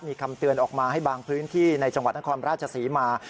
มีคำเตือนออกมาให้บางพื้นที่ในจังหวัดนครราชศรีมา